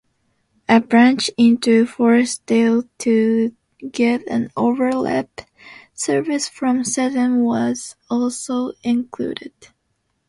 A branch into Forestdale to give an overlap service from Sutton was also included.